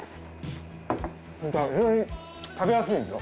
非常に食べやすいんですよ。